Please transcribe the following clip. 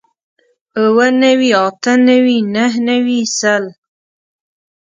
اووه نوي اتۀ نوي نهه نوي سل